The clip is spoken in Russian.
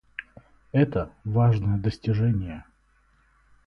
Это — важное достижение.